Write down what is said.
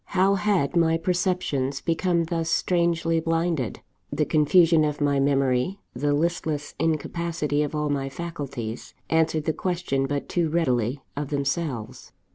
How had my perceptions become thus strangely blinded? The confusion of my memory, the listless incapacity of all my faculties, answered the question but too readily, of themselves.